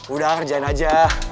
udah ngerjain aja